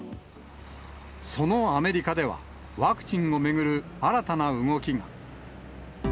そのアメリカでは、ワクチンを巡る新たな動きが。